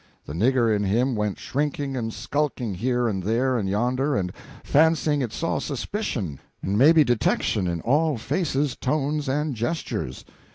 The "nigger" in him went shrinking and skulking here and there and yonder, and fancying it saw suspicion and maybe detection in all faces, tones, and gestures.